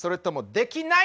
できない！